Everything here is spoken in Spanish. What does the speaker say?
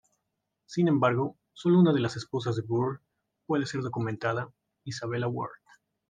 Sin embargo, solo una de las esposas de Burr puede ser documentada, Isabella Ward.